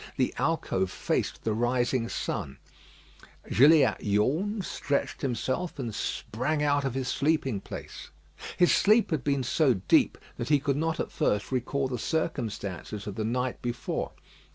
The alcove faced the rising sun. Gilliatt yawned, stretched himself, and sprang out of his sleeping place. His sleep had been so deep that he could not at first recall the circumstances of the night before.